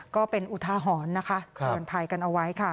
ก็เป็นอุทาหรณ์นะคะเตือนภัยกันเอาไว้ค่ะ